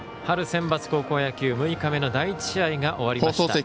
春センバツ高校野球６日目の第１試合が終わりました。